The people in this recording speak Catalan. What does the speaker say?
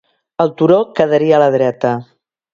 El turó quedaria a la dreta.